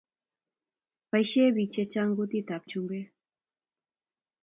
Boishe Biik chechang kutit ab chumbek